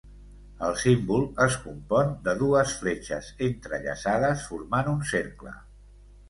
El símbol es compon de dues fletxes entrellaçades formant un cercle.